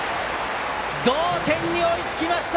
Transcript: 同点に追いつきました